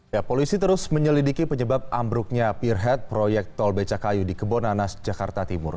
ya polisi terus menyelidiki penyebab ambruknya peer head proyek tol beca kayu di kebonanas jakarta timur